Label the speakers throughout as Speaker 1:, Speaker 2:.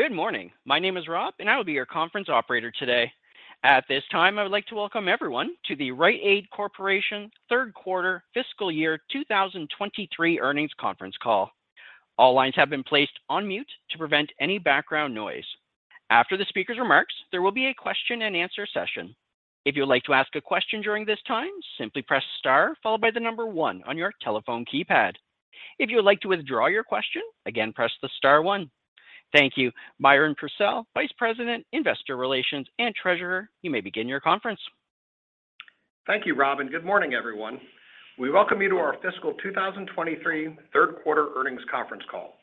Speaker 1: Good morning. My name is Rob, I will be your conference operator today. At this time, I would like to welcome everyone to the Rite Aid Corporation third quarter fiscal year 2023 earnings conference call. All lines have been placed on mute to prevent any background noise. After the speaker's remarks, there will be a question-and-answer session. If you would like to ask a question during this time, simply press star followed by one on your telephone keypad. If you would like to withdraw your question, again, press the star one. Thank you. Byron Purcell, Vice President, Investor Relations, and Treasurer, you may begin your conference.
Speaker 2: Thank you, Rob, and good morning, everyone. We welcome you to our fiscal 2023 third quarter earnings conference call.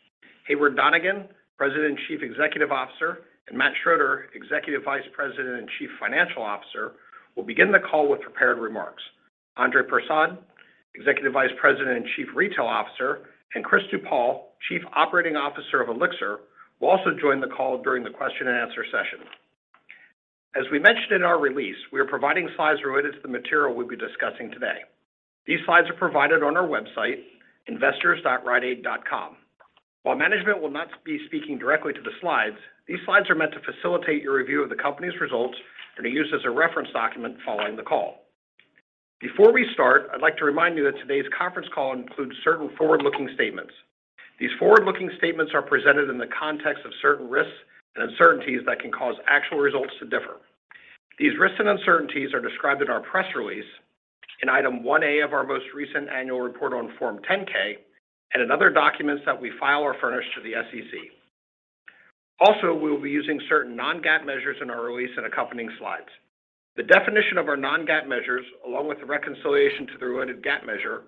Speaker 2: Heyward Donigan, President and Chief Executive Officer, and Matt Schroeder, Executive Vice President and Chief Financial Officer, will begin the call with prepared remarks. Andre Persaud, Executive Vice President and Chief Retail Officer, and Chris DuPaul, Chief Operating Officer of Elixir, will also join the call during the question-and-answer session. As we mentioned in our release, we are providing slides related to the material we'll be discussing today. These slides are provided on our website, investors.riteaid.com. While management will not be speaking directly to the slides, these slides are meant to facilitate your review of the company's results and are used as a reference document following the call. Before we start, I'd like to remind you that today's conference call includes certain forward-looking statements. These forward-looking statements are presented in the context of certain risks and uncertainties that can cause actual results to differ. These risks and uncertainties are described in our press release in item 1A of our most recent annual report on Form 10-K and in other documents that we file or furnish to the SEC. We will be using certain non-GAAP measures in our release and accompanying slides. The definition of our non-GAAP measures, along with the reconciliation to the related GAAP measure,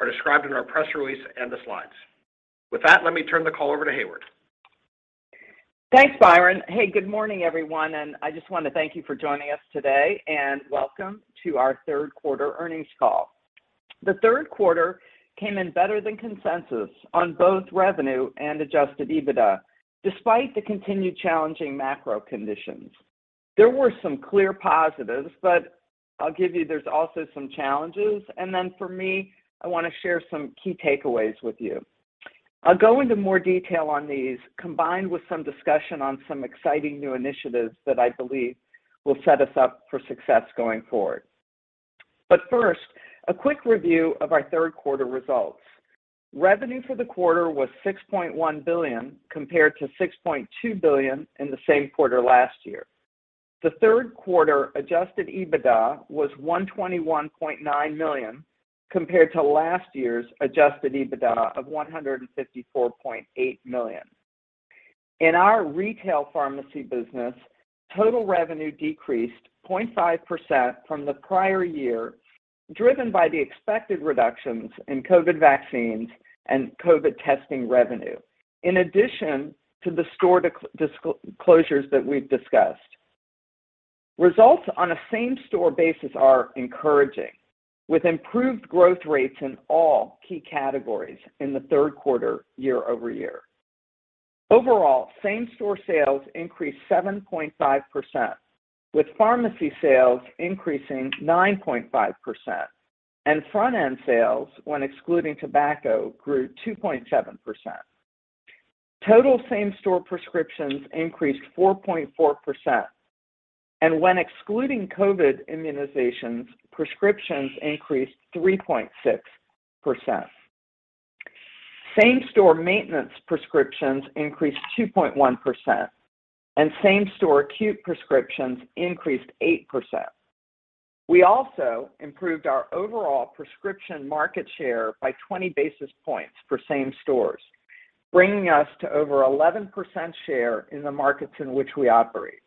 Speaker 2: are described in our press release and the slides. Let me turn the call over to Heyward.
Speaker 3: Thanks, Byron Purcell. Hey, good morning, everyone. I just want to thank you for joining us today and welcome to our third quarter earnings call. The third quarter came in better than consensus on both revenue and adjusted EBITDA despite the continued challenging macro conditions. There were some clear positives. I'll give you there's also some challenges. For me, I want to share some key takeaways with you. I'll go into more detail on these, combined with some discussion on some exciting new initiatives that I believe will set us up for success going forward. First, a quick review of our third quarter results. Revenue for the quarter was $6.1 billion compared to $6.2 billion in the same quarter last year. The third quarter adjusted EBITDA was $121.9 million compared to last year's adjusted EBITDA of $154.8 million. In our Retail Pharmacy business, total revenue decreased 0.5% from the prior year, driven by the expected reductions in COVID vaccines and COVID testing revenue. In addition to the store closures that we've discussed. Results on a same-store basis are encouraging, with improved growth rates in all key categories in the third quarter year-over-year. Overall, same-store sales increased 7.5%, with pharmacy sales increasing 9.5%, and front-end sales, when excluding tobacco, grew 2.7%. Total same-store prescriptions increased 4.4%, and when excluding COVID immunizations, prescriptions increased 3.6%. Same-store maintenance prescriptions increased 2.1%, and same-store acute prescriptions increased 8%. We also improved our overall prescription market share by 20 basis points for same stores, bringing us to over 11% share in the markets in which we operate.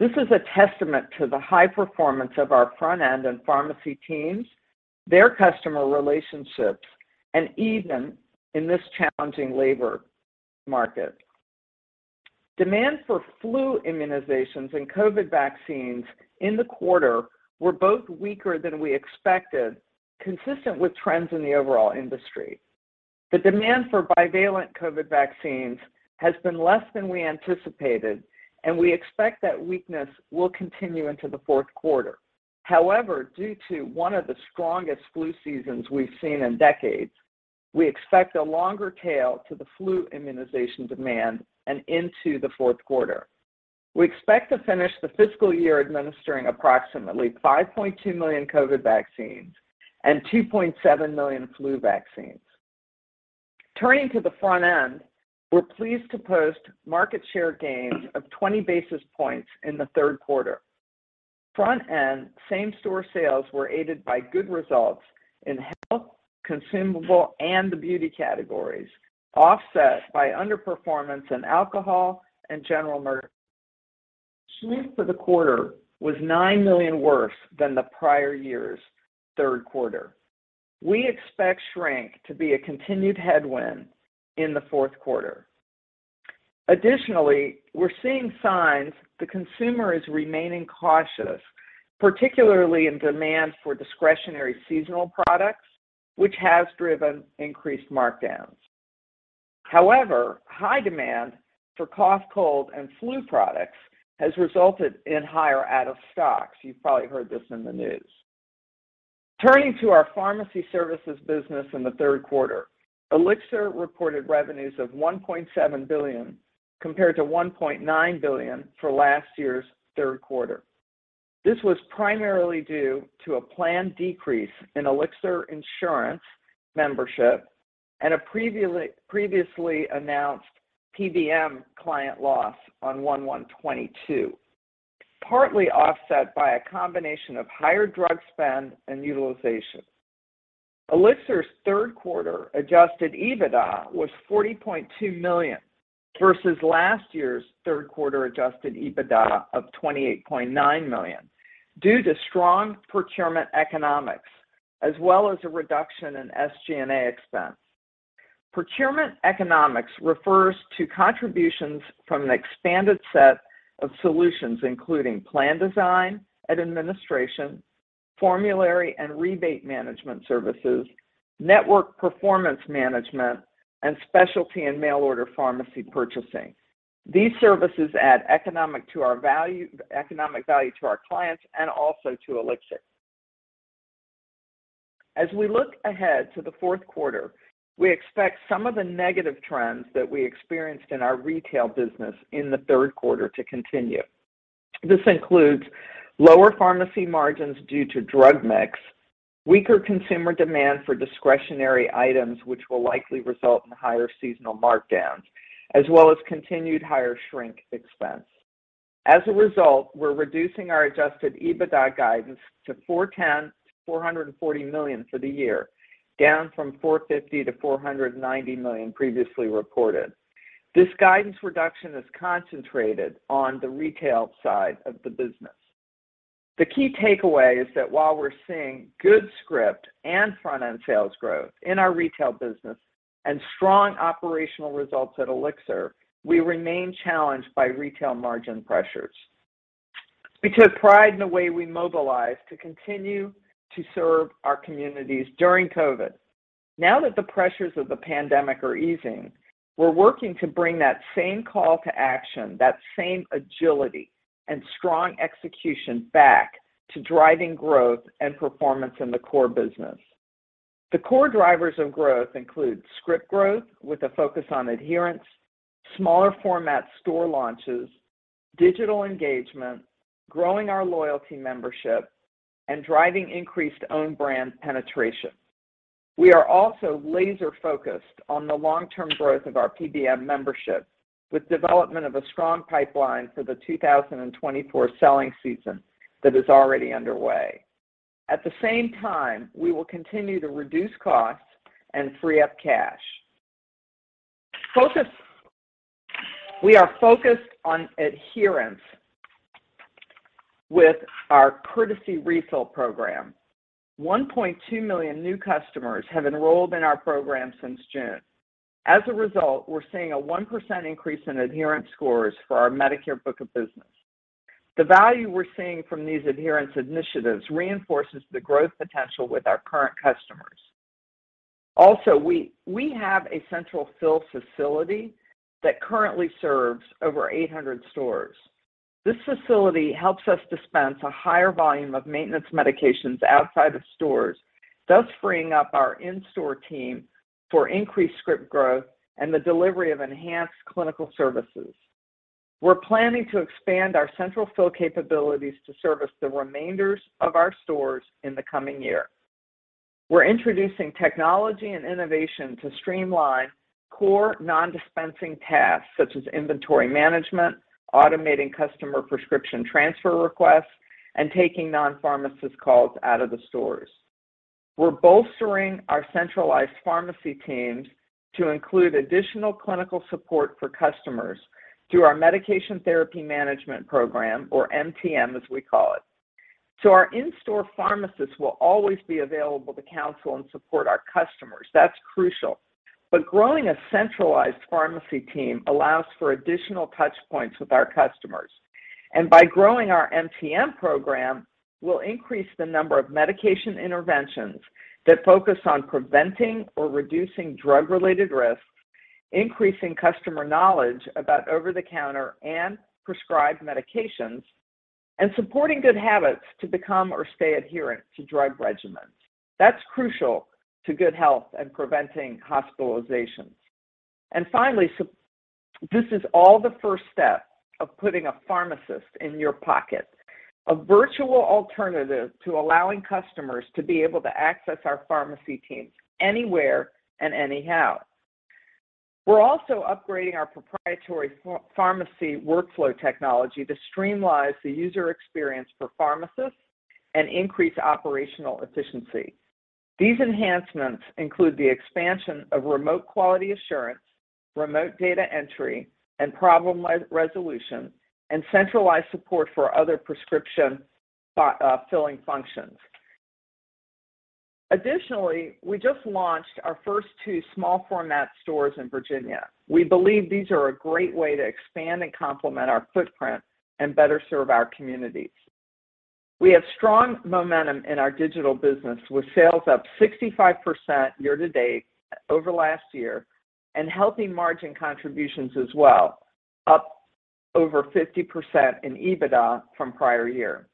Speaker 3: This is a testament to the high performance of our front-end and pharmacy teams, their customer relationships, and even in this challenging labor market. Demand for flu immunizations and COVID vaccines in the quarter were both weaker than we expected, consistent with trends in the overall industry. The demand for bivalent COVID vaccines has been less than we anticipated, and we expect that weakness will continue into the fourth quarter. However, due to one of the strongest flu seasons we've seen in decades, we expect a longer tail to the flu immunization demand and into the fourth quarter. We expect to finish the fiscal year administering approximately 5.2 million COVID vaccines and 2.7 million flu vaccines. Turning to the front end, we're pleased to post market share gains of 20 basis points in the third quarter. Front-end same-store sales were aided by good results in health, consumable, and the beauty categories, offset by underperformance in alcohol and general merch. Shrink for the quarter was $9 million worse than the prior year's third quarter. We expect shrink to be a continued headwind in the fourth quarter. We're seeing signs the consumer is remaining cautious, particularly in demand for discretionary seasonal products, which has driven increased markdowns. High demand for cough, cold, and flu products has resulted in higher out-of-stocks. You've probably heard this in the news. Turning to our Pharmacy Services business in the third quarter, Elixir reported revenues of $1.7 billion compared to $1.9 billion for last year's third quarter. This was primarily due to a planned decrease in Elixir Insurance membership and a previously announced PBM client loss on 01/01/2022, partly offset by a combination of higher drug spend and utilization. Elixir's third quarter adjusted EBITDA was $40.2 million versus last year's third quarter adjusted EBITDA of $28.9 million due to strong procurement economics as well as a reduction in SG&A expense. Procurement economics refers to contributions from an expanded set of solutions, including plan design at administration, formulary and rebate management services, network performance management, and specialty and mail order pharmacy purchasing. These services add economic value to our clients and also to Elixir. We look ahead to the fourth quarter, we expect some of the negative trends that we experienced in our retail business in the third quarter to continue. This includes lower pharmacy margins due to drug mix, weaker consumer demand for discretionary items, which will likely result in higher seasonal markdowns, as well as continued higher shrink expense. We're reducing our adjusted EBITDA guidance to $440 million for the year, down from $450 million-$490 million previously reported. This guidance reduction is concentrated on the retail side of the business. The key takeaway is that while we're seeing good script and front-end sales growth in our retail business and strong operational results at Elixir, we remain challenged by retail margin pressures. We took pride in the way we mobilized to continue to serve our communities during COVID. Now that the pressures of the pandemic are easing, we're working to bring that same call to action, that same agility and strong execution back to driving growth and performance in the core business. The core drivers of growth include script growth with a focus on adherence, smaller format store launches, digital engagement, growing our loyalty membership, and driving increased own brand penetration. We are also laser-focused on the long-term growth of our PBM membership with development of a strong pipeline for the 2024 selling season that is already underway. At the same time, we will continue to reduce costs and free up cash. We are focused on adherence with our Courtesy Refill program. 1.2 million new customers have enrolled in our program since June. As a result, we're seeing a 1% increase in adherence scores for our Medicare book of business. The value we're seeing from these adherence initiatives reinforces the growth potential with our current customers. Also, we have a central fill facility that currently serves over 800 stores. This facility helps us dispense a higher volume of maintenance medications outside of stores, thus freeing up our in-store team for increased script growth and the delivery of enhanced clinical services. We're planning to expand our central fill capabilities to service the remainders of our stores in the coming year. We're introducing technology and innovation to streamline core non-dispensing tasks such as inventory management, automating customer prescription transfer requests, and taking non-pharmacist calls out of the stores. We're bolstering our centralized pharmacy teams to include additional clinical support for customers through our Medication Therapy Management program, or MTM, as we call it. Our in-store pharmacists will always be available to counsel and support our customers. That's crucial. Growing a centralized pharmacy team allows for additional touch points with our customers. By growing our MTM program, we'll increase the number of medication interventions that focus on preventing or reducing drug-related risks, increasing customer knowledge about over-the-counter and prescribed medications, and supporting good habits to become or stay adherent to drug regimens. That's crucial to good health and preventing hospitalizations. Finally, this is all the first step of putting a pharmacist in your pocket, a virtual alternative to allowing customers to be able to access our pharmacy teams anywhere and anyhow. We're also upgrading our proprietary pharmacy workflow technology to streamline the user experience for pharmacists and increase operational efficiency. These enhancements include the expansion of remote quality assurance, remote data entry, and problem re-resolution, and centralized support for other prescription filling functions. Additionally, we just launched our first two small format stores in Virginia. We believe these are a great way to expand and complement our footprint and better serve our communities. We have strong momentum in our digital business with sales up 65% year to date over last year and healthy margin contributions as well, Over 50% in EBITDA from prior year.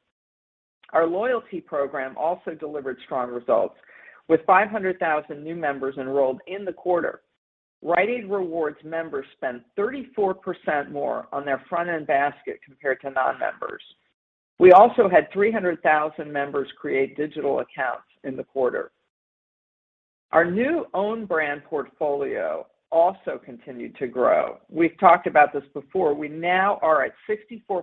Speaker 3: Our loyalty program also delivered strong results, with 500,000 new members enrolled in the quarter. Rite Aid Rewards members spent 34% more on their front-end basket compared to non-members. We also had 300,000 members create digital accounts in the quarter. Our new own brand portfolio also continued to grow. We've talked about this before. We now are at 64%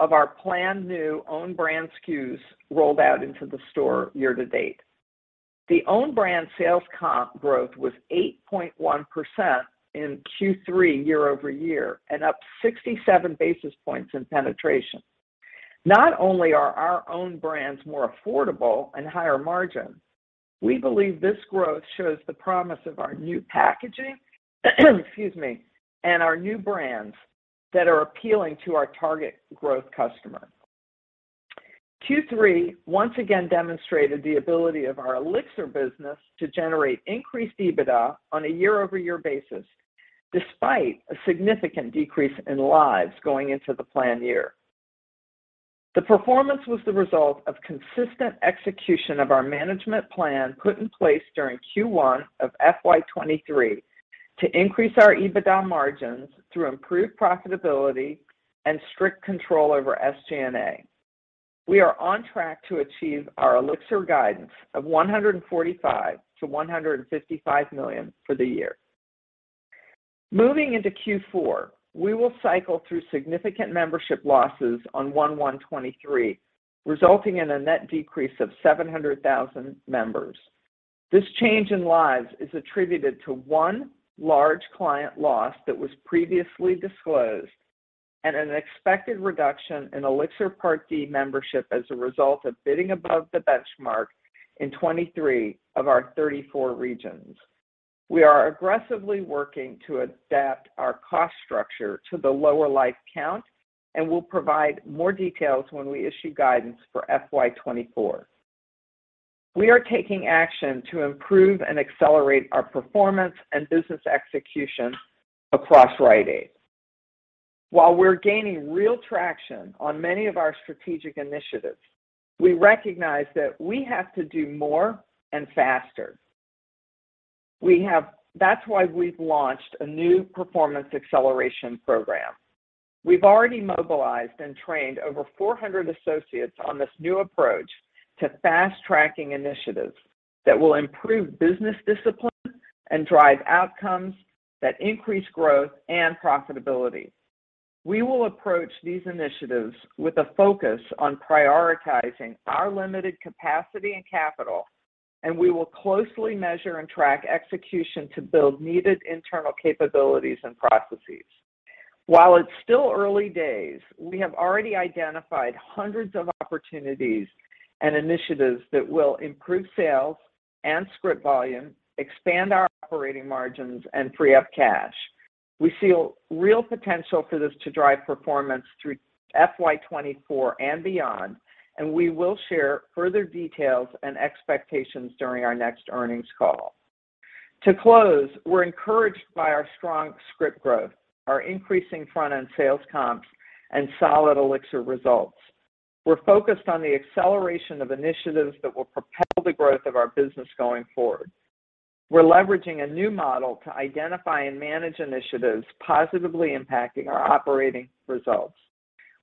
Speaker 3: of our planned new own brand SKUs rolled out into the store year to date. The own brand sales comp growth was 8.1% in Q3 year-over-year and up 67 basis points in penetration. Not only are our own brands more affordable and higher margin, we believe this growth shows the promise of our new packaging, excuse me, and our new brands that are appealing to our target growth customer. Q3 once again demonstrated the ability of our Elixir business to generate increased EBITDA on a year-over-year basis, despite a significant decrease in lives going into the plan year. The performance was the result of consistent execution of our management plan put in place during Q1 of FY 2023 to increase our EBITDA margins through improved profitability and strict control over SG&A. We are on track to achieve our Elixir guidance of $145 million-$155 million for the year. Moving into Q4, we will cycle through significant membership losses on 01/01/2023, resulting in a net decrease of 700,000 members. This change in lives is attributed to one large client loss that was previously disclosed and an expected reduction in Elixir Part D membership as a result of bidding above the benchmark in 23 of our 34 regions. We are aggressively working to adapt our cost structure to the lower life count and will provide more details when we issue guidance for FY 2024. We are taking action to improve and accelerate our performance and business execution across Rite Aid. While we're gaining real traction on many of our strategic initiatives, we recognize that we have to do more and faster. That's why we've launched a new performance acceleration program. We've already mobilized and trained over 400 associates on this new approach to fast-tracking initiatives that will improve business discipline and drive outcomes that increase growth and profitability. We will approach these initiatives with a focus on prioritizing our limited capacity and capital, and we will closely measure and track execution to build needed internal capabilities and processes. While it's still early days, we have already identified hundreds of opportunities and initiatives that will improve sales and script volume, expand our operating margins, and free up cash. We see real potential for this to drive performance through FY 2024 and beyond, and we will share further details and expectations during our next earnings call. To close, we're encouraged by our strong script growth, our increasing front-end sales comps, and solid Elixir results. We're focused on the acceleration of initiatives that will propel the growth of our business going forward. We're leveraging a new model to identify and manage initiatives positively impacting our operating results.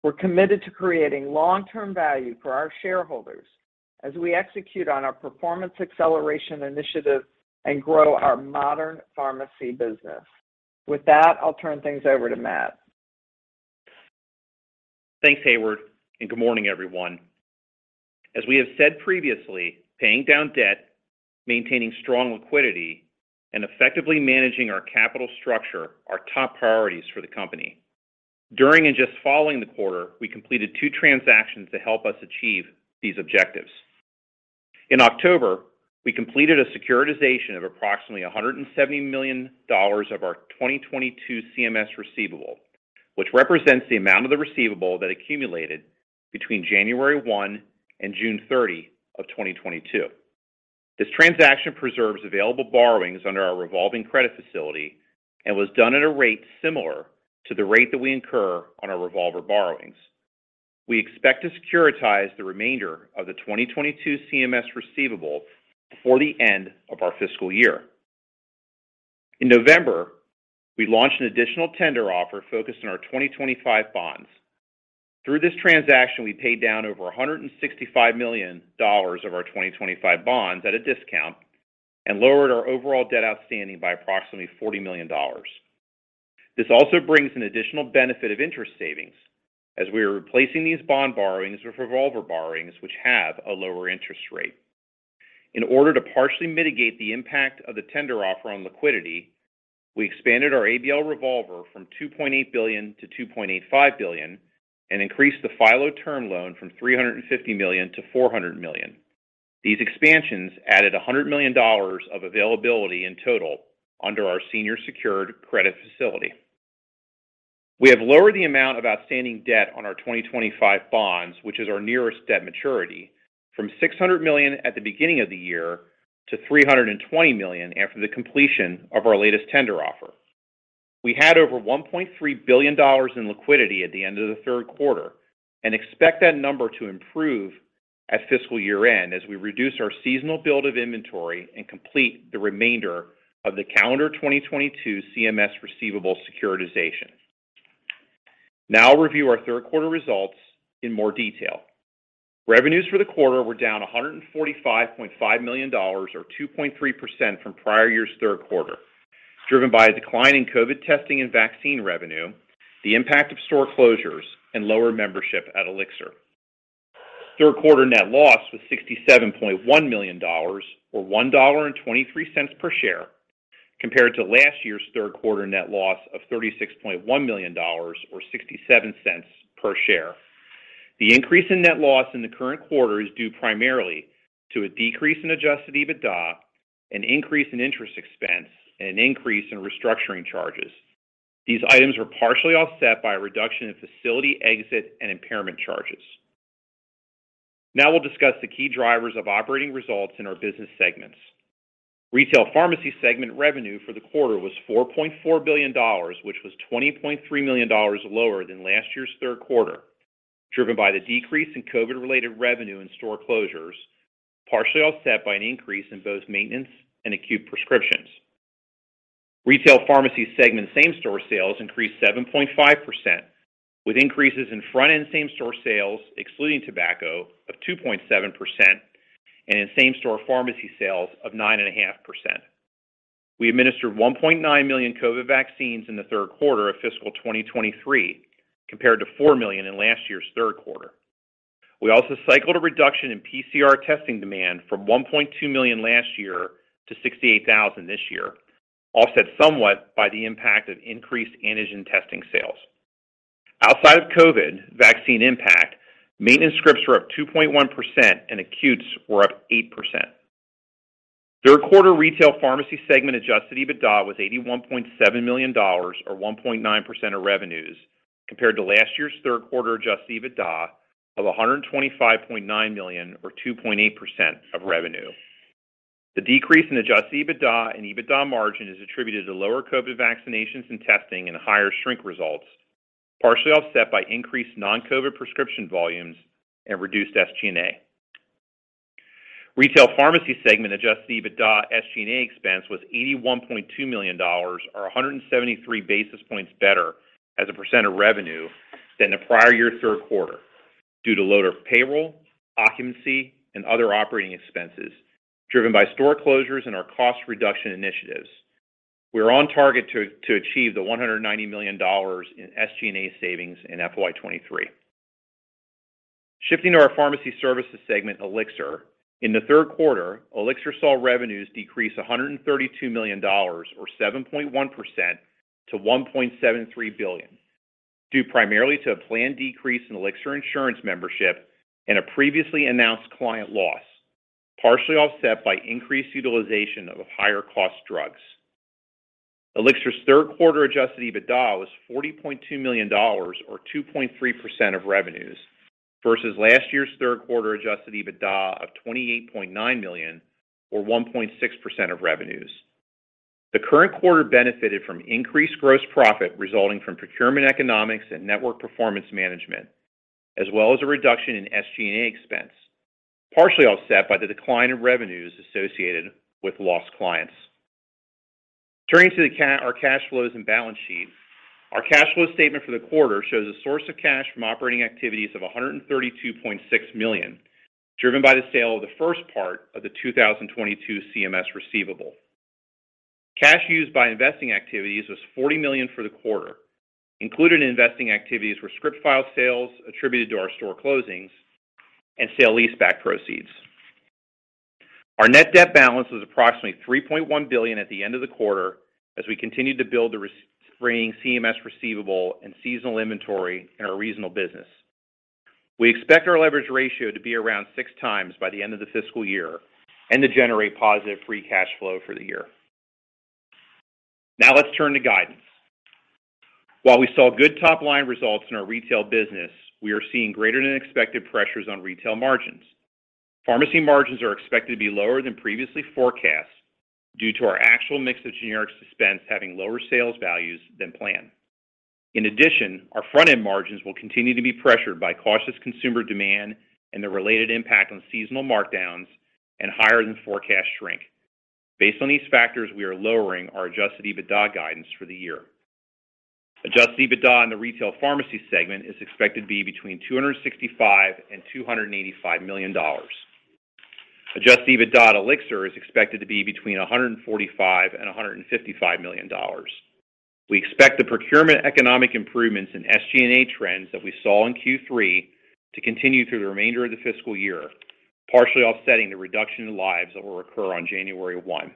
Speaker 3: We're committed to creating long-term value for our shareholders as we execute on our performance acceleration initiative and grow our modern pharmacy business. With that, I'll turn things over to Matt.
Speaker 4: Thanks, Heyward, good morning, everyone. As we have said previously, paying down debt, maintaining strong liquidity, and effectively managing our capital structure are top priorities for the company. During and just following the quarter, we completed two transactions to help us achieve these objectives. In October, we completed a securitization of approximately $170 million of our 2022 CMS receivable, which represents the amount of the receivable that accumulated between January 1 and June 30 of 2022. This transaction preserves available borrowings under our revolving credit facility and was done at a rate similar to the rate that we incur on our revolver borrowings. We expect to securitize the remainder of the 2022 CMS receivable before the end of our fiscal year. In November, we launched an additional tender offer focused on our 2025 bonds. Through this transaction, we paid down over $165 million of our 2025 bonds at a discount and lowered our overall debt outstanding by approximately $40 million. Also brings an additional benefit of interest savings as we are replacing these bond borrowings with revolver borrowings which have a lower interest rate. In order to partially mitigate the impact of the tender offer on liquidity, we expanded our ABL revolver from $2.8 billion-$2.85 billion and increased the FILO term loan from $350 million-$400 million. These expansions added $100 million of availability in total under our senior secured credit facility. We have lowered the amount of outstanding debt on our 2025 bonds, which is our nearest debt maturity. From $600 million at the beginning of the year to $320 million after the completion of our latest tender offer. We had over $1.3 billion in liquidity at the end of the third quarter and expect that number to improve at fiscal year-end as we reduce our seasonal build of inventory and complete the remainder of the calendar 2022 CMS receivable securitization. I'll review our third quarter results in more detail. Revenues for the quarter were down $145.5 million, or 2.3% from prior year's third quarter, driven by a decline in COVID testing and vaccine revenue, the impact of store closures, and lower membership at Elixir. Third quarter net loss was $67.1 million, or $1.23 per share, compared to last year's third quarter net loss of $36.1 million, or $0.67 per share. The increase in net loss in the current quarter is due primarily to a decrease in adjusted EBITDA, an increase in interest expense, and an increase in restructuring charges. These items were partially offset by a reduction in facility exit and impairment charges. We'll discuss the key drivers of operating results in our business segments. Retail Pharmacy segment revenue for the quarter was $4.4 billion, which was $20.3 million lower than last year's third quarter, driven by the decrease in COVID-related revenue and store closures, partially offset by an increase in both maintenance and acute prescriptions. Retail Pharmacy segment same-store sales increased 7.5%, with increases in front-end same-store sales, excluding tobacco, of 2.7% and in same-store pharmacy sales of 9.5%. We administered 1.9 million COVID vaccines in the third quarter of fiscal 2023, compared to 4 million in last year's third quarter. We also cycled a reduction in PCR testing demand from 1.2 million last year to 68,000 this year, offset somewhat by the impact of increased antigen testing sales. Outside of COVID vaccine impact, maintenance scripts were up 2.1% and acutes were up 8%. Third quarter Retail Pharmacy segment adjusted EBITDA was $81.7 million, or 1.9% of revenues, compared to last year's third quarter adjusted EBITDA of $125.9 million, or 2.8% of revenue. The decrease in adjusted EBITDA and EBITDA margin is attributed to lower COVID vaccinations and testing and higher shrink results, partially offset by increased non-COVID prescription volumes and reduced SG&A. Retail Pharmacy segment adjusted EBITDA SG&A expense was $81.2 million, or 173 basis points better as a percentage of revenue than the prior year third quarter due to lower payroll, occupancy, and other operating expenses driven by store closures and our cost reduction initiatives. We are on target to achieve the $190 million in SG&A savings in FY 2023. Shifting to our Pharmacy Services segment, Elixir. In the third quarter, Elixir saw revenues decrease $132 million or 7.1% to $1.73 billion, due primarily to a planned decrease in Elixir Insurance membership and a previously announced client loss, partially offset by increased utilization of higher cost drugs. Elixir's third quarter adjusted EBITDA was $40.2 million, or 2.3% of revenues, versus last year's third quarter adjusted EBITDA of $28.9 million, or 1.6% of revenues. The current quarter benefited from increased gross profit resulting from procurement economics and network performance management, as well as a reduction in SG&A expense, partially offset by the decline in revenues associated with lost clients. Turning to our cash flows and balance sheets. Our cash flow statement for the quarter shows a source of cash from operating activities of $132.6 million, driven by the sale of the first part of the 2022 CMS receivable. Cash used by investing activities was $40 million for the quarter. Included in investing activities were script file sales attributed to our store closings and sale leaseback proceeds. Our net debt balance was approximately $3.1 billion at the end of the quarter as we continued to build the springing CMS receivable and seasonal inventory in our reasonable business. We expect our leverage ratio to be around 6x by the end of the fiscal year and to generate positive free cash flow for the year. Let's turn to guidance. While we saw good top-line results in our retail business, we are seeing greater than expected pressures on retail margins. Pharmacy margins are expected to be lower than previously forecast due to our actual mix of generics dispensed having lower sales values than planned. Our front-end margins will continue to be pressured by cautious consumer demand and the related impact on seasonal markdowns and higher than forecast shrink. Based on these factors, we are lowering our adjusted EBITDA guidance for the year. Adjusted EBITDA in the Retail Pharmacy segment is expected to be between $265 million and $285 million. Adjusted EBITDA at Elixir is expected to be between $145 million and $155 million. We expect the procurement economic improvements in SG&A trends that we saw in Q3 to continue through the remainder of the fiscal year, partially offsetting the reduction in lives that will occur on January 1.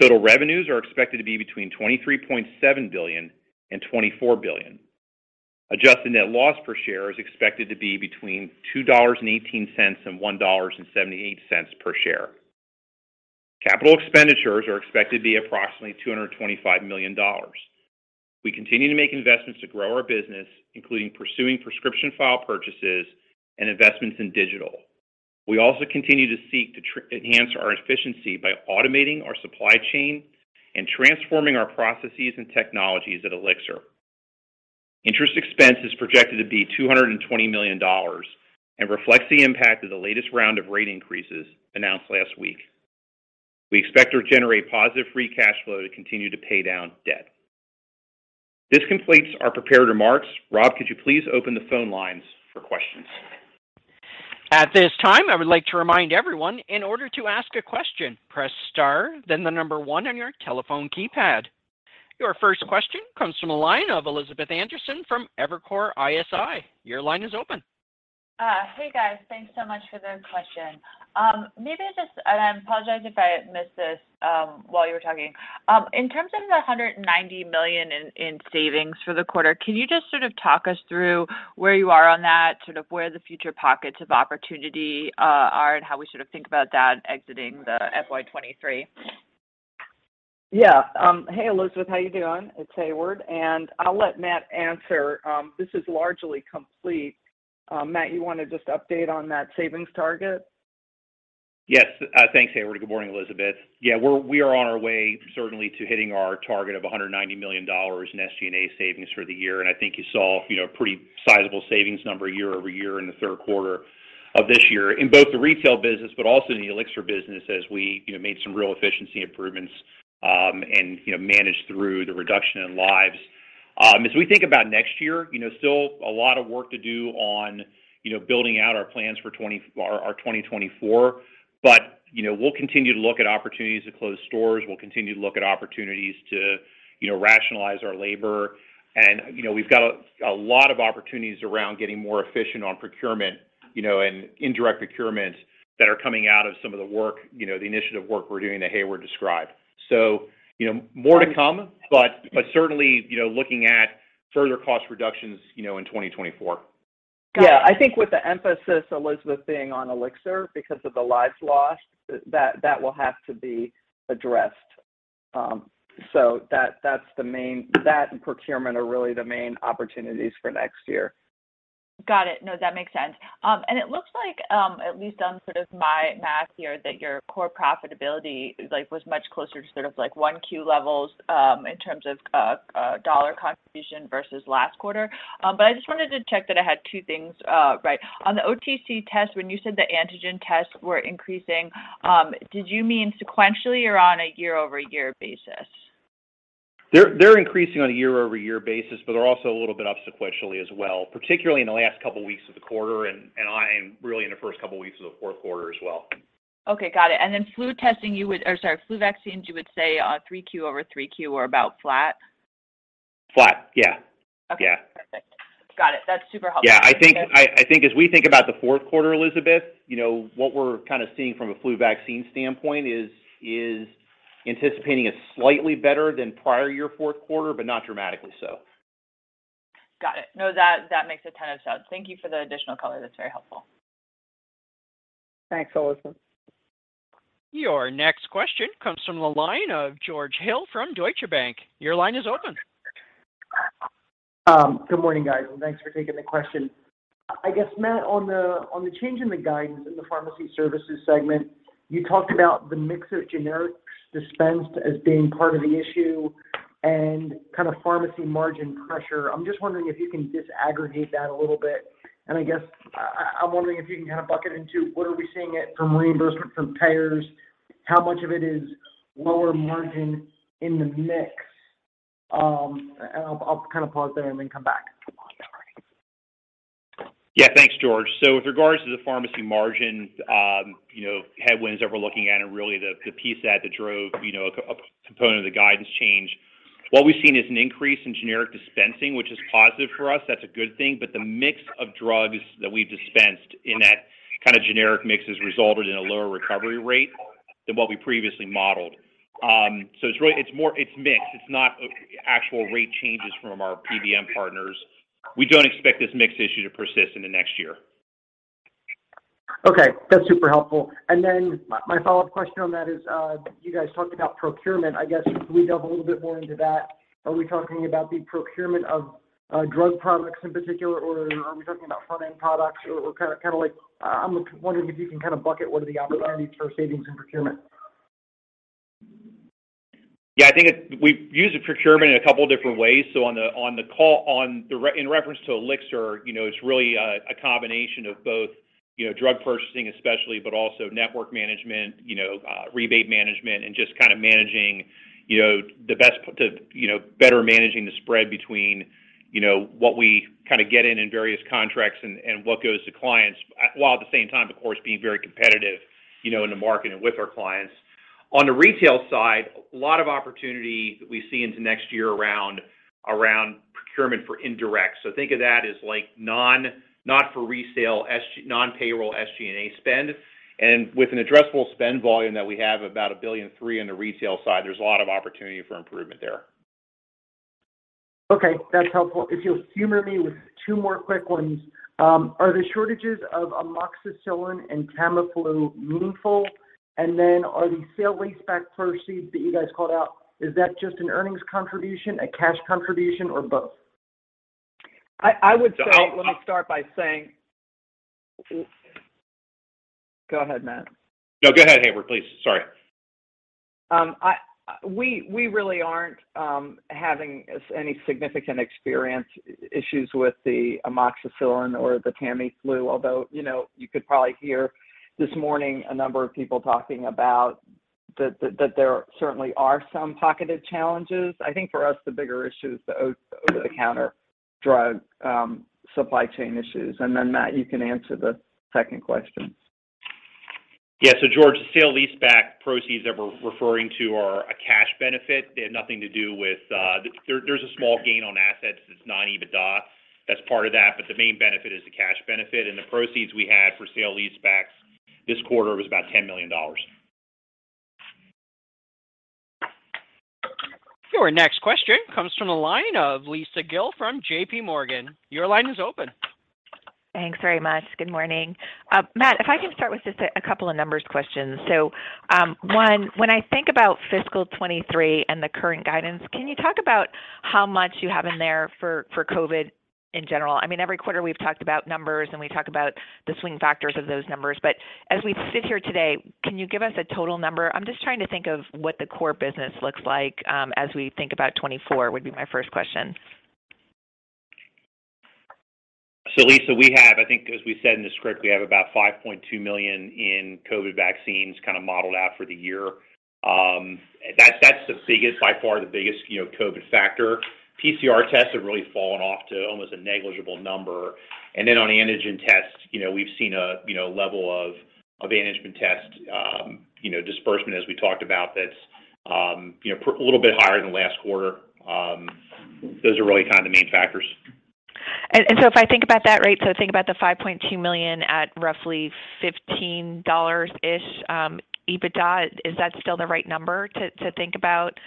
Speaker 4: Total revenues are expected to be between $23.7 billion and $24 billion. Adjusted net loss per share is expected to be between $2.18 and $1.78 per share. Capital expenditures are expected to be approximately $225 million. We continue to make investments to grow our business, including pursuing prescription file purchases and investments in digital. We also continue to seek to enhance our efficiency by automating our supply chain and transforming our processes and technologies at Elixir. Interest expense is projected to be $220 million and reflects the impact of the latest round of rate increases announced last week. We expect to generate positive free cash flow to continue to pay down debt. This completes our prepared remarks. Rob, could you please open the phone lines for questions?
Speaker 1: At this time, I would like to remind everyone in order to ask a question, press star then the number one on your telephone keypad. Your first question comes from a line of Elizabeth Anderson from Evercore ISI. Your line is open.
Speaker 5: Hey, guys. Thanks so much for the question. Maybe and I apologize if I missed this while you were talking. In terms of the $190 million in savings for the quarter, can you just sort of talk us through where you are on that, sort of where the future pockets of opportunity are, and how we should think about that exiting the FY 2023?
Speaker 3: Yeah. Hey, Elizabeth, how you doing? It's Heyward, and I'll let Matt answer. This is largely complete. Matt, you want to just update on that savings target?
Speaker 4: Yes. thanks, Heyward. Good morning, Elizabeth. Yeah, we are on our way, certainly, to hitting our target of $190 million in SG&A savings for the year. I think you saw, you know, pretty sizable savings number year-over-year in the third quarter of this year in both the retail business but also in the Elixir business as we, you know, made some real efficiency improvements, and, you know, managed through the reduction in lives. As we think about next year, you know, still a lot of work to do on, you know, building out our plans for 2024. You know, we'll continue to look at opportunities to close stores. We'll continue to look at opportunities to, you know, rationalize our labor. You know, we've got a lot of opportunities around getting more efficient on procurement, you know, and indirect procurement that are coming out of some of the work, you know, the initiative work we're doing that Heyward described. You know, more to come, but certainly, you know, looking at further cost reductions, you know, in 2024.
Speaker 5: Got it.
Speaker 3: Yeah. I think with the emphasis, Elizabeth, being on Elixir because of the lives lost, that will have to be addressed. That and procurement are really the main opportunities for next year.
Speaker 5: Got it. No, that makes sense. It looks like, at least on sort of my math here, that your core profitability, like, was much closer to sort of like 1Q levels, in terms of dollar contribution versus last quarter. I just wanted to check that I had two things right. On the OTC test, when you said the antigen tests were increasing, did you mean sequentially or on a year-over-year basis?
Speaker 4: They're increasing on a year-over-year basis, but they're also a little bit up sequentially as well, particularly in the last couple weeks of the quarter, and I am really in the first couple weeks of the fourth quarter as well.
Speaker 5: Okay. Got it. Then flu vaccines, you would say, 3Q over 3Q or about flat?
Speaker 4: Flat. Yeah.
Speaker 5: Okay.
Speaker 4: Yeah.
Speaker 5: Perfect. Got it. That's super helpful.
Speaker 4: Yeah. I think as we think about the fourth quarter, Elizabeth, you know, what we're kinda seeing from a flu vaccine standpoint is anticipating a slightly better than prior year fourth quarter, but not dramatically so.
Speaker 5: Got it. That makes a ton of sense. Thank you for the additional color. That's very helpful.
Speaker 3: Thanks, Elizabeth.
Speaker 1: Your next question comes from the line of George Hill from Deutsche Bank. Your line is open.
Speaker 6: Good morning, guys. Thanks for taking the question. I guess, Matt, on the change in the guidance in the Pharmacy Services segment, you talked about the mix of generics dispensed as being part of the issue and kind of pharmacy margin pressure. I'm just wondering if you can disaggregate that a little bit. I guess I'm wondering if you can kind of bucket into what are we seeing it from reimbursement from payers, how much of it is lower margin in the mix? I'll kind of pause there and then come back.
Speaker 4: Yeah. Thanks, George. With regards to the pharmacy margin, you know, headwinds that we're looking at and really the piece that drove, you know, a component of the guidance change, what we've seen is an increase in generic dispensing, which is positive for us. That's a good thing. The mix of drugs that we've dispensed in that kinda generic mix has resulted in a lower recovery rate than what we previously modeled. It's mixed. It's not actual rate changes from our PBM partners. We don't expect this mix issue to persist into next year.
Speaker 6: Okay. That's super helpful. My follow-up question on that is, you guys talked about procurement. I guess can we delve a little bit more into that? Are we talking about the procurement of drug products in particular, or are we talking about front-end products? I'm wondering if you can kinda bucket what are the opportunities for savings in procurement.
Speaker 4: Yeah. I think we use procurement in a couple different ways. On the, in reference to Elixir, you know, it's really a combination of both, you know, drug purchasing especially, but also network management, you know, rebate management, and just kind of managing, you know, better managing the spread between, you know, what we kinda get in various contracts and what goes to clients, while at the same time, of course, being very competitive, you know, in the market and with our clients. On the retail side, a lot of opportunity that we see into next year around procurement for indirect. Think of that as, like, not for resale non-payroll SG&A spend. With an addressable spend volume that we have about $1.3 billion on the retail side, there's a lot of opportunity for improvement there.
Speaker 6: Okay, that's helpful. If you'll humor me with two more quick ones. Are the shortages of amoxicillin and Tamiflu meaningful? Are the sale-leaseback proceeds that you guys called out, is that just an earnings contribution, a cash contribution, or both?
Speaker 3: Let me start by saying. Go ahead, Matt.
Speaker 4: No, go ahead, Heyward, please. Sorry.
Speaker 3: We really aren't having any significant experience issues with the amoxicillin or the Tamiflu. Although, you know, you could probably hear this morning a number of people talking about that there certainly are some pocketed challenges. I think for us, the bigger issue is the over-the-counter drug supply chain issues. Then Matt, you can answer the second question.
Speaker 4: George, the sale-leaseback proceeds that we're referring to are a cash benefit. They have nothing to do with. There's a small gain on assets. It's not EBITDA that's part of that, but the main benefit is the cash benefit. The proceeds we had for sale-leasebacks this quarter was about $10 million.
Speaker 1: Your next question comes from the line of Lisa Gill from JPMorgan. Your line is open.
Speaker 7: Thanks very much. Good morning. Matt, if I can start with just a couple of numbers questions. One, when I think about fiscal 2023 and the current guidance, can you talk about how much you have in there for COVID in general? I mean, every quarter we've talked about numbers, and we talk about the swing factors of those numbers. As we sit here today, can you give us a total number? I'm just trying to think of what the core business looks like, as we think about 2024, would be my first question.
Speaker 4: Lisa, we have I think as we said in the script, we have about $5.2 million in COVID vaccines kind of modeled out for the year. That's, that's the biggest, by far the biggest, you know, COVID factor. PCR tests have really fallen off to almost a negligible number. On antigen tests, you know, we've seen a, you know, level of antigen test, you know, disbursement as we talked about, that's, you know, a little bit higher than last quarter. Those are really kind of the main factors.
Speaker 7: If I think about that, right, so think about the $5.2 million at roughly $15-ish EBITDA, is that still the right number to think about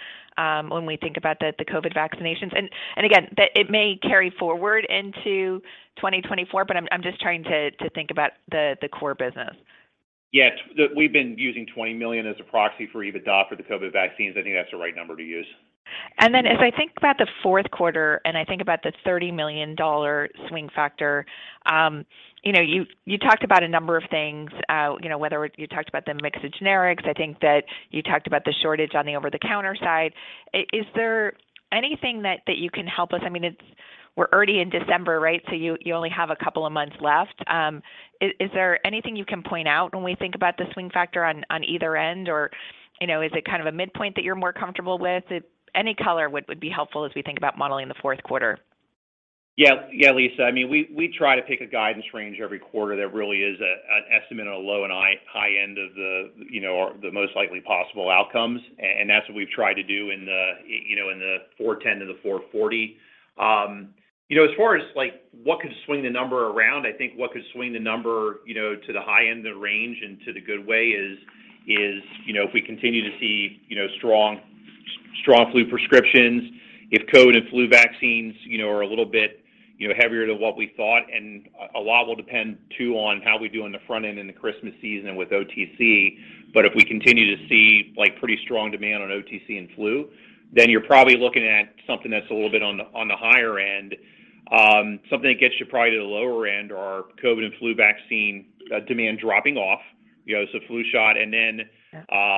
Speaker 7: when we think about the COVID vaccinations? Again, it may carry forward into 2024, but I'm just trying to think about the core business.
Speaker 4: Yeah. We've been using $20 million as a proxy for EBITDA for the COVID vaccines. I think that's the right number to use.
Speaker 7: As I think about the fourth quarter, and I think about the $30 million swing factor, you know, you talked about a number of things, you know, whether you talked about the mix of generics. I think that you talked about the shortage on the over-the-counter side. Is there anything that you can help us? I mean, we're already in December, right? You, you only have a couple of months left. Is there anything you can point out when we think about the swing factor on either end? You know, is it kind of a midpoint that you're more comfortable with? Any color would be helpful as we think about modeling the fourth quarter.
Speaker 4: Yeah, Lisa. I mean, we try to pick a guidance range every quarter that really is an estimate on a low and high end of the, you know, or the most likely possible outcomes. That's what we've tried to do in the, you know, in the $410-$440. You know, as far as like what could swing the number around, I think what could swing the number, you know, to the high end of the range and to the good way is, you know, if we continue to see, you know, strong flu prescriptions, if COVID and flu vaccines, you know, are a little bit, you know, heavier than what we thought. A lot will depend too on how we do on the front end in the Christmas season with OTC. If we continue to see like pretty strong demand on OTC and flu, then you're probably looking at something that's a little bit on the, on the higher end. Something that gets you probably to the lower end are COVID and flu vaccine demand dropping off, you know, so flu shot.
Speaker 7: Sure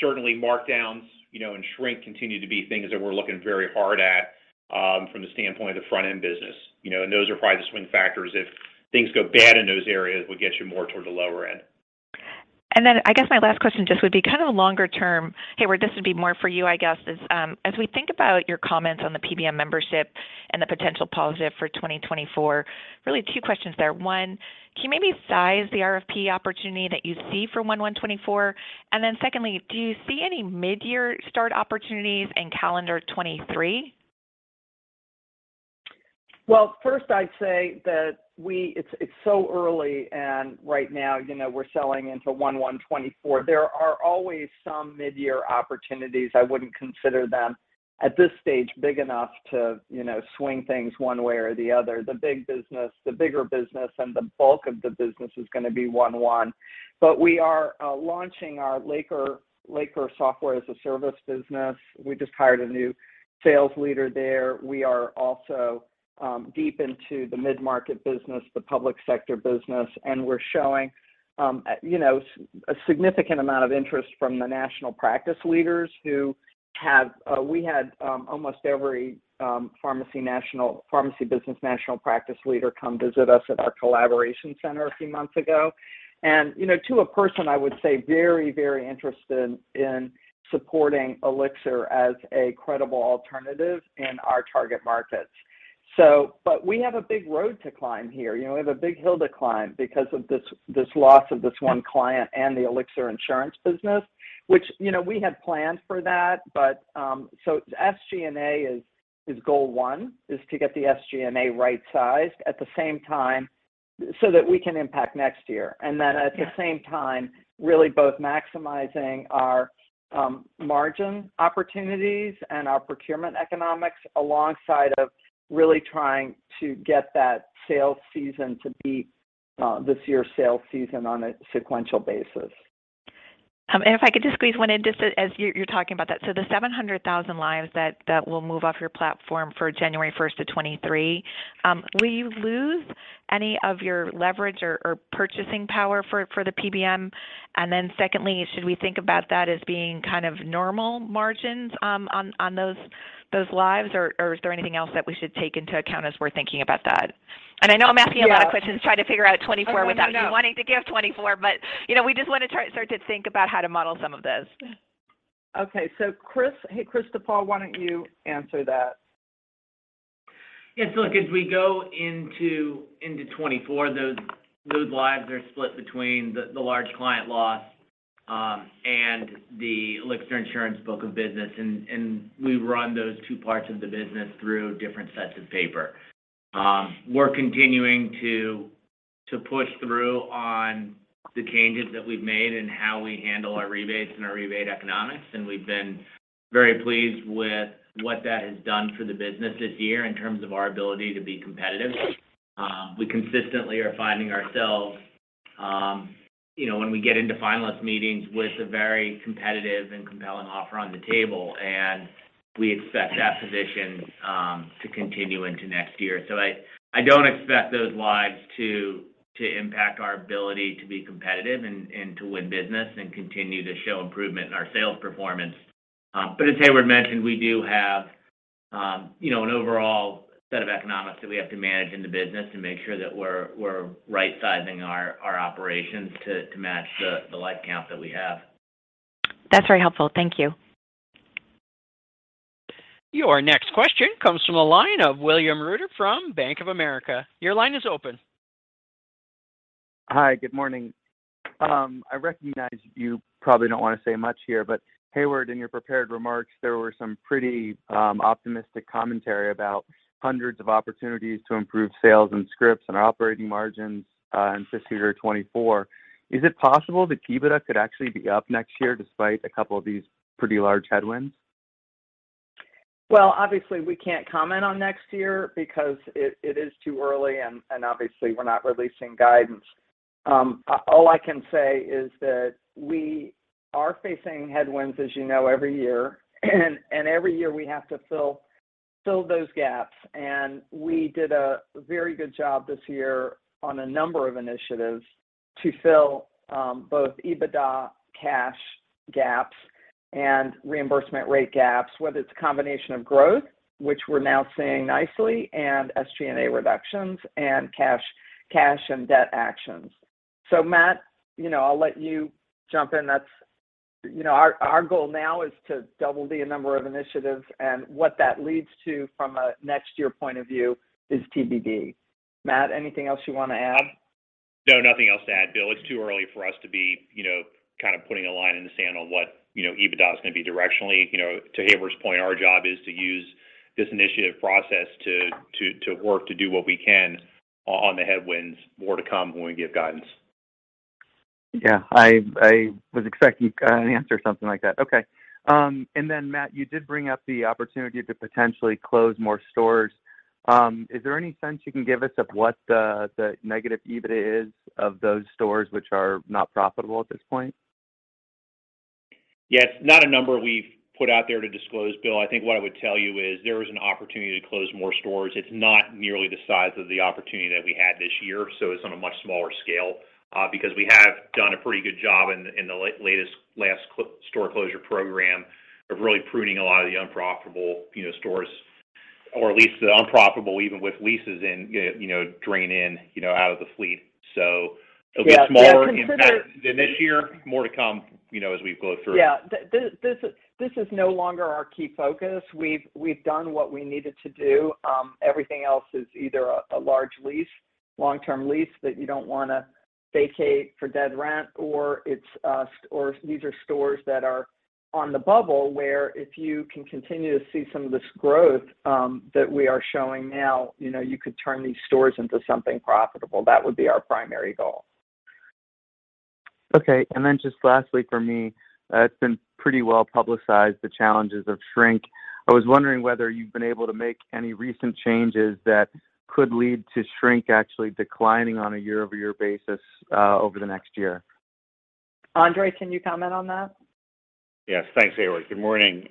Speaker 4: certainly markdowns, you know, and shrink continue to be things that we're looking very hard at, from the standpoint of the front-end business. You know, those are probably the swing factors if things go bad in those areas, would get you more toward the lower end.
Speaker 7: I guess my last question just would be kind of a longer term. Heyward Donigan, this would be more for you, I guess. As we think about your comments on the PBM membership and the potential positive for 2024, really two questions there. One, can you maybe size the RFP opportunity that you see for 01/01/2024? And then secondly, do you see any mid-year start opportunities in calendar 2023?
Speaker 3: First I'd say that it's so early, right now, you know, we're selling into 01/01/2024. There are always some mid-year opportunities. I wouldn't consider them, at this stage, big enough to, you know, swing things one way or the other. The bigger business and the bulk of the business is gonna be 1/1. We are launching our Laker software-as-a-service business. We just hired a new sales leader there. We are also deep into the mid-market business, the public sector business, and we're showing, you know, a significant amount of interest from the national practice leaders who have. We had almost every pharmacy business national practice leader come visit us at our collaboration center a few months ago. You know, to a person, I would say very, very interested in supporting Elixir as a credible alternative in our target markets. We have a big road to climb here. You know, we have a big hill to climb because of this loss of this one client and the Elixir Insurance business, which, you know, we had planned for that. SG&A is goal one, to get the SG&A right-sized. At the same time so that we can impact next year. Then at the same time, really both maximizing our margin opportunities and our procurement economics alongside of really trying to get that sales season to beat this year's sales season on a sequential basis.
Speaker 7: If I could just squeeze one in just as you're talking about that. The 700,000 lives that will move off your platform for January 1st, 2023, will you lose any of your leverage or purchasing power for the PBM? Secondly, should we think about that as being kind of normal margins on those lives, or is there anything else that we should take into account as we're thinking about that? I know I'm asking a lot of questions.
Speaker 3: Yeah.
Speaker 7: trying to figure out 2024 without you wanting to give 2024, you know, we just wanna try to start to think about how to model some of this.
Speaker 3: Okay. Chris. Hey, Chris DuPaul, why don't you answer that?
Speaker 8: Yes. Look, as we go into 2024, those lives are split between the large client loss and the Elixir Insurance book of business and we run those two parts of the business through different sets of paper. We're continuing to push through on the changes that we've made in how we handle our rebates and our rebate economics, and we've been very pleased with what that has done for the business this year in terms of our ability to be competitive. We consistently are finding ourselves, you know, when we get into finalist meetings with a very competitive and compelling offer on the table, and we expect that position to continue into next year. I don't expect those lives to impact our ability to be competitive and to win business and continue to show improvement in our sales performance. But as Heyward mentioned, we do have, you know, an overall set of economics that we have to manage in the business to make sure that we're right-sizing our operations to match the life count that we have.
Speaker 7: That's very helpful. Thank you.
Speaker 1: Your next question comes from a line of William Reuter from Bank of America. Your line is open.
Speaker 9: Hi. Good morning. I recognize you probably don't wanna say much here, but Heyward Donigan, in your prepared remarks, there were some pretty optimistic commentary about hundreds of opportunities to improve sales and scripts and operating margins in fiscal year 2024. Is it possible that EBITDA could actually be up next year despite a couple of these pretty large headwinds?
Speaker 3: Well, obviously, we can't comment on next year because it is too early, and obviously, we're not releasing guidance. All I can say is that we are facing headwinds, as you know, every year, and every year we have to fill those gaps. We did a very good job this year on a number of initiatives to fill both EBITDA cash gaps and reimbursement rate gaps, whether it's a combination of growth, which we're now seeing nicely, and SG&A reductions and cash and debt actions. Matt, you know, I'll let you jump in. You know, our goal now is to double the number of initiatives, and what that leads to from a next year point of view is TBD. Matt, anything else you wanna add?
Speaker 4: No, nothing else to add, Bill. It's too early for us to be, you know, kind of putting a line in the sand on what, you know, EBITDA is gonna be directionally. You know, to Heyward's point, our job is to use this initiative process to work to do what we can on the headwinds. More to come when we give guidance.
Speaker 9: Yeah. I was expecting an answer something like that. Okay. Then Matt, you did bring up the opportunity to potentially close more stores. Is there any sense you can give us of what the negative EBITDA is of those stores which are not profitable at this point?
Speaker 4: Yes. Not a number we've put out there to disclose, Bill. I think what I would tell you is there is an opportunity to close more stores. It's not nearly the size of the opportunity that we had this year, so it's on a much smaller scale, because we have done a pretty good job in the latest last store closure program of really pruning a lot of the unprofitable, you know, stores, or at least the unprofitable, even with leases in, you know, drain in, you know, out of the fleet. It'll be a smaller impact.
Speaker 3: Yeah.
Speaker 4: than this year. More to come, you know, as we go through.
Speaker 3: This is no longer our key focus. We've done what we needed to do. Everything else is either a large lease, long-term lease that you don't wanna vacate for dead rent, or these are stores that are on the bubble, where if you can continue to see some of this growth, that we are showing now, you know, you could turn these stores into something profitable. That would be our primary goal.
Speaker 9: Okay. Just lastly for me, it's been pretty well-publicized the challenges of shrink. I was wondering whether you've been able to make any recent changes that could lead to shrink actually declining on a year-over-year basis over the next year.
Speaker 3: Andre Persaud, can you comment on that?
Speaker 10: Yes. Thanks, Heyward. Good morning.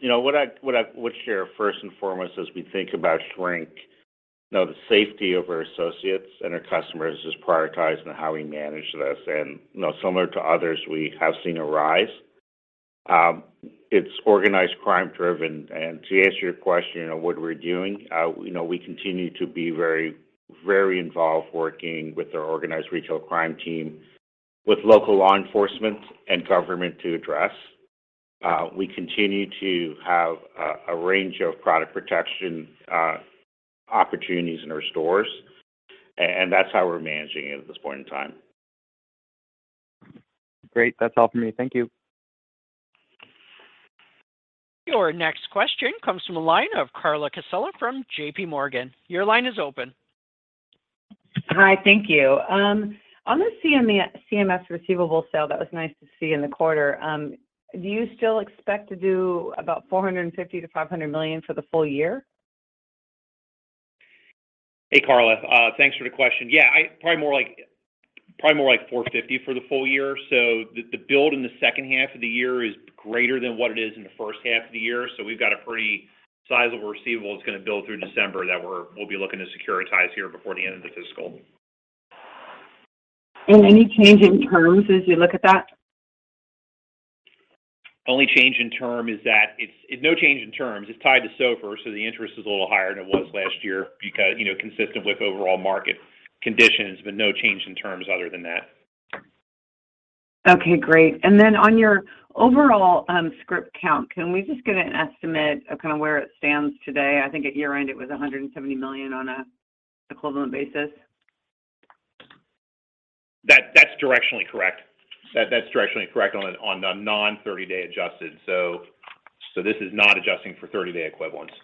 Speaker 10: You know what I, what I would share first and foremost as we think about shrink, you know, the safety of our associates and our customers is prioritized in how we manage this. You know, similar to others, we have seen a rise. It's organized crime driven. To answer your question on what we're doing, you know, we continue to be very involved working with our organized retail crime team, with local law enforcement and government to address. We continue to have a range of product protection opportunities in our stores, and that's how we're managing it at this point in time.
Speaker 9: Great. That's all for me. Thank you.
Speaker 1: Your next question comes from the line of Carla Casella from JPMorgan. Your line is open.
Speaker 11: Hi, thank you. On the CMS receivable sale, that was nice to see in the quarter. Do you still expect to do about $450 million-$500 million for the full year?
Speaker 4: Hey, Carla, thanks for the question. Yeah, probably more like $450 for the full year. The, the build in the second half of the year is greater than what it is in the first half of the year. We've got a pretty sizable receivable that's gonna build through December that we'll be looking to securitize here before the end of the fiscal.
Speaker 11: Any change in terms as you look at that?
Speaker 4: Only change in term is no change in terms. It's tied to SOFR, so the interest is a little higher than it was last year because, you know, consistent with overall market conditions, but no change in terms other than that.
Speaker 11: Okay, great. On your overall, script count, can we just get an estimate of kind of where it stands today? I think at year-end it was 170 million on an equivalent basis.
Speaker 4: That's directionally correct. That's directionally correct on the non 30-day adjusted. This is not adjusting for 30-day equivalents.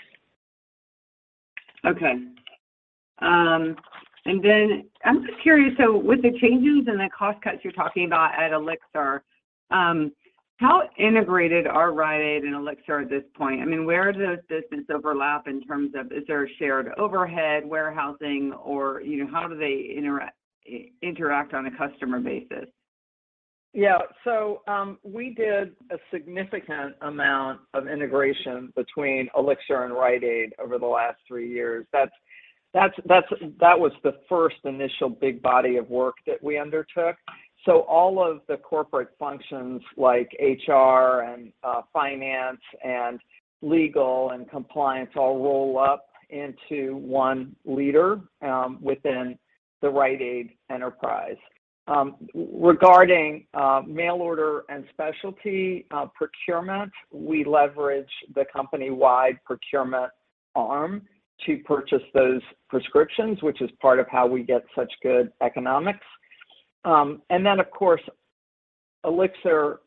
Speaker 11: Okay. I'm just curious, so with the changes and the cost cuts you're talking about at Elixir, how integrated are Rite Aid and Elixir at this point? I mean, where do those business overlap in terms of is there a shared overhead, warehousing or, you know, how do they interact on a customer basis?
Speaker 3: Yeah. We did a significant amount of integration between Elixir and Rite Aid over the last three years. That was the first initial big body of work that we undertook. All of the corporate functions like HR and finance and legal and compliance all roll up into one leader within the Rite Aid enterprise. Regarding mail order and specialty procurement, we leverage the company-wide procurement arm to purchase those prescriptions, which is part of how we get such good economics. And then of course, Elixir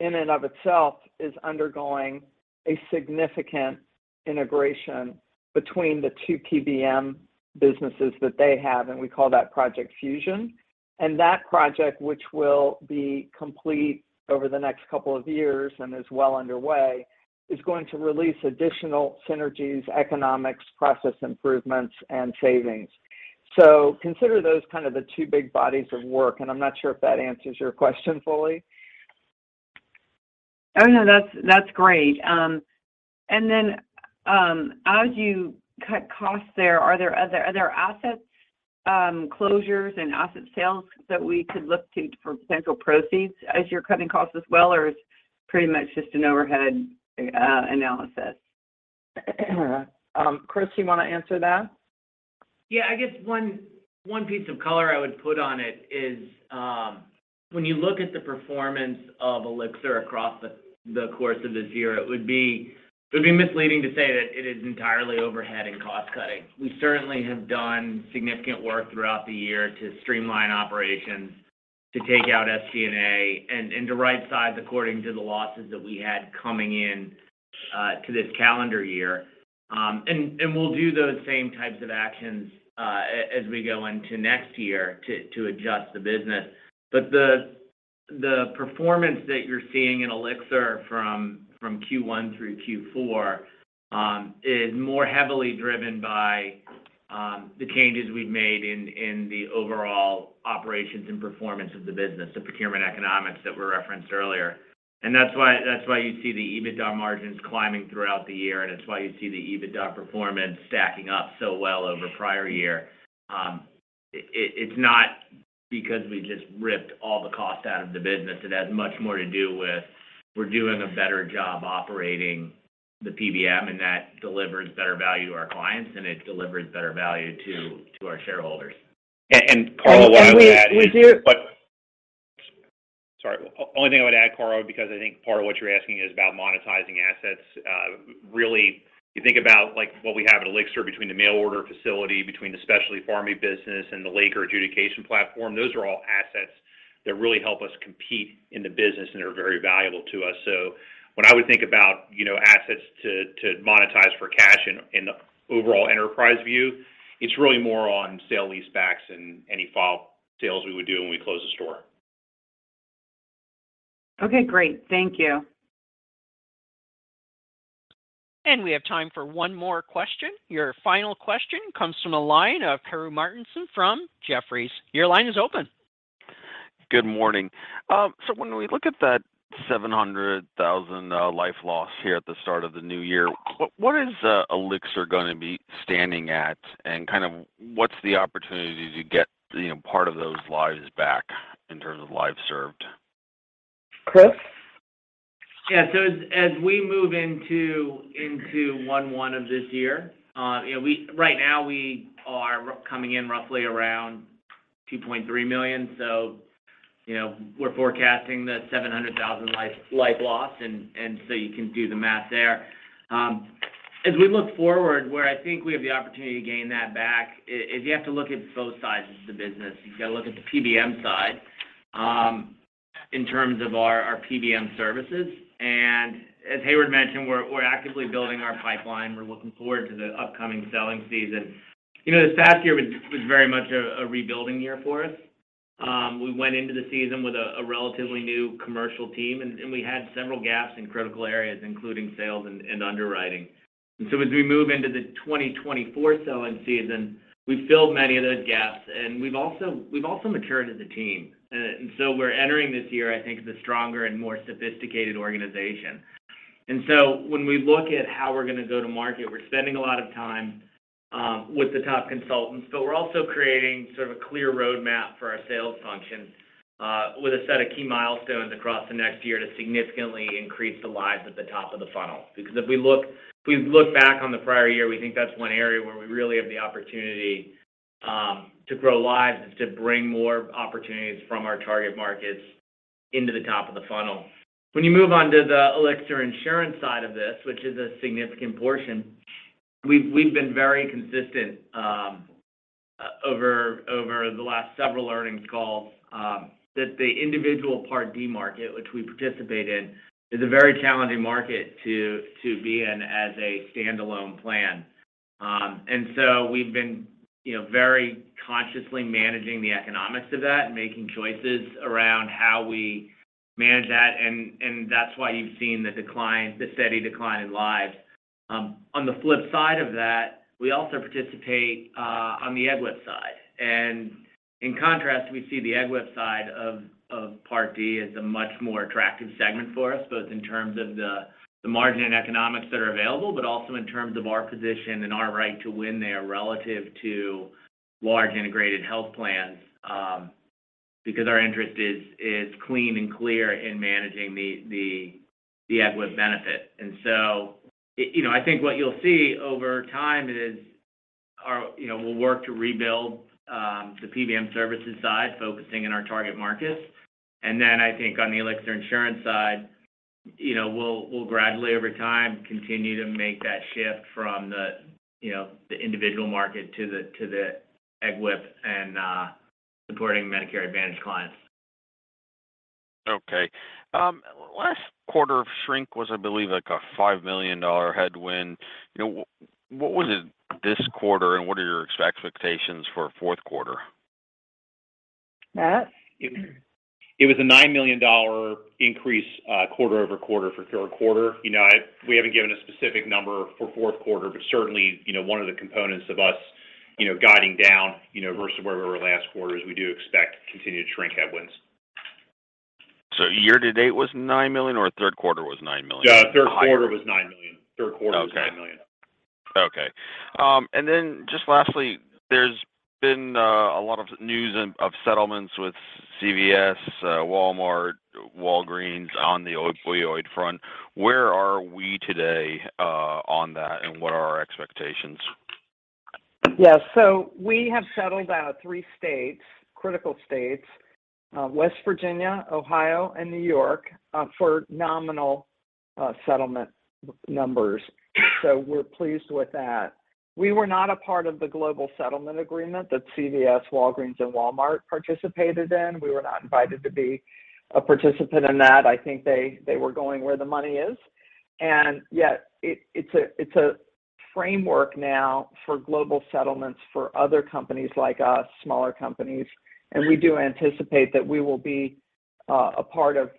Speaker 3: in and of itself is undergoing a significant integration between the two PBM businesses that they have, and we call that Project Fusion. And that project, which will be complete over the next couple of years and is well underway, is going to release additional synergies, economics, process improvements and savings. Consider those kind of the two big bodies of work, and I'm not sure if that answers your question fully.
Speaker 11: Oh, no, that's great. As you cut costs there, are there other, are there assets, closures and asset sales that we could look to for potential proceeds as you're cutting costs as well? Is pretty much just an overhead analysis?
Speaker 3: Chris, you wanna answer that?
Speaker 8: Yeah. I guess one piece of color I would put on it is, when you look at the performance of Elixir across the course of this year, it would be misleading to say that it is entirely overhead and cost cutting. We certainly have done significant work throughout the year to streamline operations, to take out FC&A and to right size according to the losses that we had coming in to this calendar year. We'll do those same types of actions as we go into next year to adjust the business. The performance that you're seeing in Elixir from Q1 through Q4 is more heavily driven by the changes we've made in the overall operations and performance of the business, the procurement economics that were referenced earlier. That's why, that's why you see the EBITDA margins climbing throughout the year, and it's why you see the EBITDA performance stacking up so well over prior year. It's not because we just ripped all the cost out of the business. It has much more to do with we're doing a better job operating the PBM, and that delivers better value to our clients, and it delivers better value to our shareholders.
Speaker 4: Carla what I would add.
Speaker 3: We do-
Speaker 4: Only thing I would add, Carla, because I think part of what you're asking is about monetizing assets. Really you think about, like, what we have at Elixir between the mail order facility, between the specialty pharmacy business and the Laker adjudication platform, those are all assets that really help us compete in the business and are very valuable to us. When I would think about, you know, assets to monetize for cash in the overall enterprise view, it's really more on sale leasebacks than any file sales we would do when we close a store.
Speaker 11: Okay, great. Thank you.
Speaker 1: We have time for one more question. Your final question comes from the line of Karru Martinson from Jefferies. Your line is open.
Speaker 12: Good morning. When we look at that 700,000 life loss here at the start of the new year, what is Elixir gonna be standing at? Kind of what's the opportunity to get, you know, part of those lives back in terms of lives served?
Speaker 3: Chris?
Speaker 8: Yeah. As we move into 1/1 of this year, you know, right now we are coming in roughly around $2.3 million. You know, we're forecasting the 700,000 life loss and so you can do the math there. As we look forward, where I think we have the opportunity to gain that back is you have to look at both sides of the business. You've got to look at the PBM side, in terms of our PBM services. As Heyward mentioned, we're actively building our pipeline. We're looking forward to the upcoming selling season. You know, this past year was very much a rebuilding year for us. We went into the season with a relatively new commercial team, and we had several gaps in critical areas, including sales and underwriting. As we move into the 2024 selling season, we've filled many of those gaps, and we've also matured as a team. We're entering this year, I think, as a stronger and more sophisticated organization. When we look at how we're gonna go to market, we're spending a lot of time with the top consultants, but we're also creating sort of a clear roadmap for our sales function with a set of key milestones across the next year to significantly increase the lives at the top of the funnel. If we look, if we look back on the prior year, we think that's one area where we really have the opportunity to grow lives, is to bring more opportunities from our target markets into the top of the funnel. When you move on to the Elixir Insurance side of this, which is a significant portion, we've been very consistent over the last several earnings calls, that the individual Part D market, which we participate in, is a very challenging market to be in as a standalone plan. We've been, you know, very consciously managing the economics of that and making choices around how we manage that, and that's why you've seen the decline, the steady decline in lives. On the flip side of that, we also participate on the EGWP side. In contrast, we see the EGWP side of Part D as a much more attractive segment for us, both in terms of the margin and economics that are available, but also in terms of our position and our right to win there relative to large integrated health plans, because our interest is clean and clear in managing the EGWP benefit. You know, I think what you'll see over time is our... You know, we'll work to rebuild, the PBM services side, focusing in our target markets. Then I think on the Elixir Insurance side, you know, we'll gradually over time continue to make that shift from the, you know, the individual market to the EGWP and supporting Medicare Advantage clients.
Speaker 12: Okay. last quarter of shrink was, I believe, like a $5 million headwind. You know, what was it this quarter, and what are your expectations for fourth quarter?
Speaker 3: Matt?
Speaker 4: It was a $9 million increase, quarter-over-quarter for third quarter. You know, we haven't given a specific number for fourth quarter, but certainly, you know, one of the components of us, you know, guiding down, you know, versus where we were last quarter is we do expect continued shrink headwinds.
Speaker 12: Year-to-date was $9 million, or third quarter was $9 million?
Speaker 4: Yeah. Third quarter was $9 million.
Speaker 12: Okay. Just lastly, there's been a lot of news of settlements with CVS, Walmart, Walgreens on the opioid front. Where are we today, on that, and what are our expectations?
Speaker 3: Yes. We have settled, three states, critical states, West Virginia, Ohio, and New York, for nominal, settlement numbers. We're pleased with that. We were not a part of the global settlement agreement that CVS, Walgreens, and Walmart participated in. We were not invited to be a participant in that. I think they were going where the money is. Yet it's a framework now for global settlements for other companies like us, smaller companies. We do anticipate that we will be a part of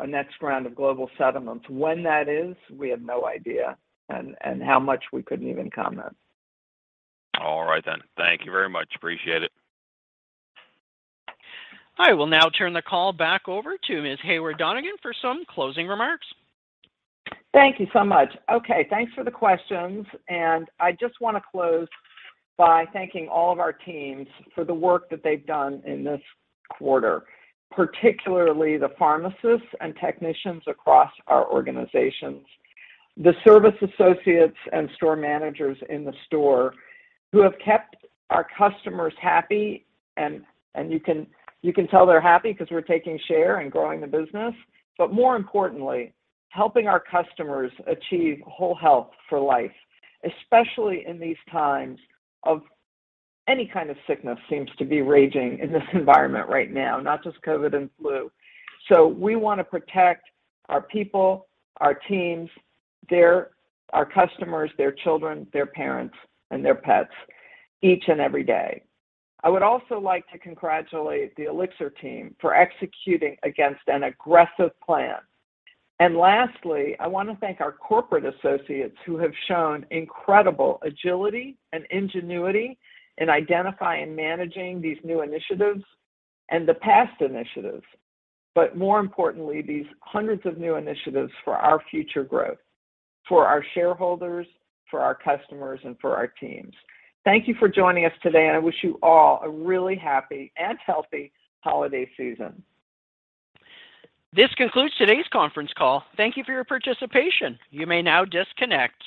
Speaker 3: a next round of global settlements. When that is, we have no idea, and how much we couldn't even comment.
Speaker 12: All right then. Thank you very much. Appreciate it.
Speaker 1: I will now turn the call back over to Ms. Heyward Donigan for some closing remarks.
Speaker 3: Thank you so much. Okay, thanks for the questions. I just wanna close by thanking all of our teams for the work that they've done in this quarter, particularly the pharmacists and technicians across our organizations, the service associates and store managers in the store who have kept our customers happy and you can tell they're happy 'cause we're taking share and growing the business. More importantly, helping our customers achieve whole health for life, especially in these times of any kind of sickness seems to be raging in this environment right now, not just COVID and flu. We wanna protect our people, our teams, our customers, their children, their parents, and their pets each and every day. I would also like to congratulate the Elixir team for executing against an aggressive plan. Lastly, I wanna thank our corporate associates who have shown incredible agility and ingenuity in identifying and managing these new initiatives and the past initiatives, but more importantly, these hundreds of new initiatives for our future growth, for our shareholders, for our customers, and for our teams. Thank you for joining us today, and I wish you all a really happy and healthy holiday season.
Speaker 1: This concludes today's conference call. Thank you for your participation. You may now disconnect.